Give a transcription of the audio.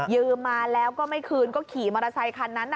มาแล้วก็ไม่คืนก็ขี่มอเตอร์ไซคันนั้น